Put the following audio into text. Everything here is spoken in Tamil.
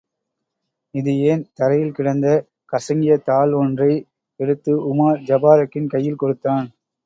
இது ஏன்? தரையில் கிடந்த கசங்கிய தாள் ஒன்றை எடுத்து உமார் ஜபாரக்கின் கையில் கொடுத்தான்.